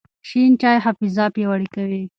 شین چای حافظه پیاوړې کوي.